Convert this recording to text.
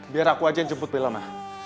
biar aku aja yang jemput bella ma